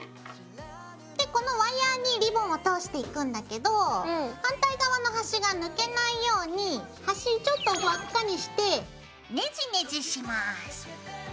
でこのワイヤーにリボンを通していくんだけど反対側のはしが抜けないようにはしちょっと輪っかにしてネジネジします。